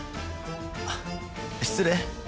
あっ失礼。